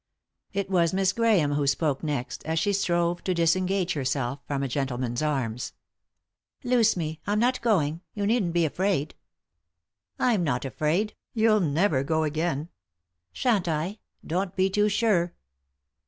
It was Miss Grahame who spoke next, as she strove to disengage herself from a gentleman's arms. " Loose me— I'm not going — you needn't be afraid. " I'm not afraid — you'll never go again." " Shan't I ? Don't be too sure."